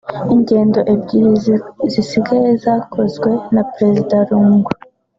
Ingendo ebyiri zisigaye zakozwe na Perezida Lungu